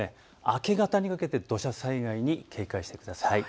明け方にかけて土砂災害に警戒してください。